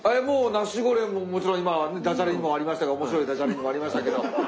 ナシゴレンももちろん今ダジャレにもありましたけど面白いダジャレにもありましたけど。